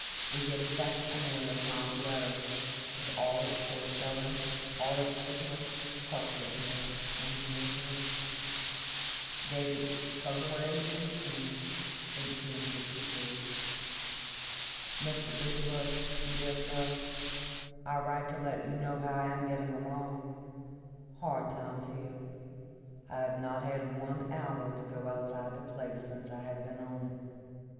We give a facsimile of Tom's letter, with all its poor spelling, all its ignorance, helplessness, and misery. [February 18, 1852. MR. BIGELOW. DEAR SIR:—I write to let you know how I am getting along. Hard times here. I have not had one hour to go outside the place since I have been on it.